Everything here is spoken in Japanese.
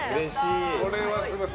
これはすごい。